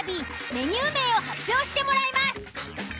メニュー名を発表してもらいます。